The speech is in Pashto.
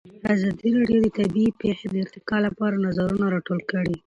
ازادي راډیو د طبیعي پېښې د ارتقا لپاره نظرونه راټول کړي.